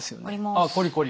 あっコリコリ。